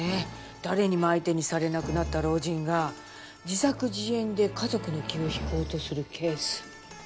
誰にも相手にされなくなった老人が自作自演で家族の気を引こうとするケース。